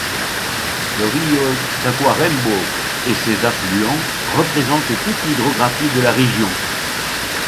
Le río Tacuarembó et ses affluents représentent toute l'hydrographie de la région.